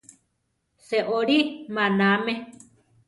Seolí manáame.